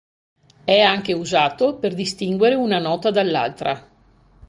È anche usato per distinguere una nota dall'altra.